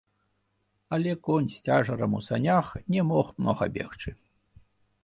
Але конь з цяжарам у санях не мог многа бегчы.